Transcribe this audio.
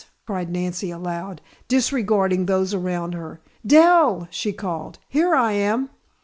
cried Nancy aloud, disregarding those around her. "Dell!" she called. "Here I am!"